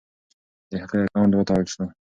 د هغې اکاونټ وتړل شو.